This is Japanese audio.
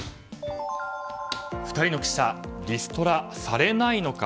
２人の記者リストラされないのか。